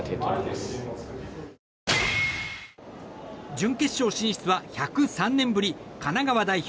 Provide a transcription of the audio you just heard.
準決勝進出は１０３年ぶり神奈川代表